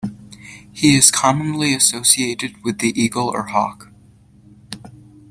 He is commonly associated with the eagle or hawk.